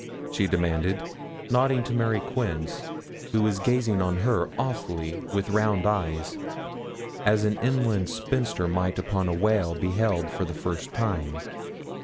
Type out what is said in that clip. she demanded, nodding to Mary Quince, who was gazing on her awfully, with round eyes, as an inland spinster might upon a whale beheld for the first time.